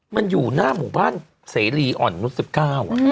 มันอยู่หน้าหมู่บ้านเสรีอ่อน๑๙อ่ะ